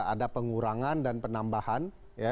ada pengurangan dan penambahan